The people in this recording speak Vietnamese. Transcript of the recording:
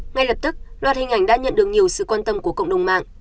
ngay lập tức loạt hình ảnh đã nhận được nhiều sự quan tâm của cộng đồng mạng